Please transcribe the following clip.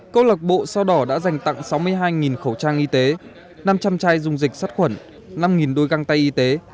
câu lạc bộ sao đỏ đã dành tặng sáu mươi hai khẩu trang y tế năm trăm linh chai dùng dịch sát khuẩn năm đôi găng tay y tế